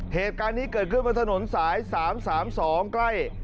เหตุการณ์นี้เกิดขึ้นมาถนนสายสามสามสองใกล้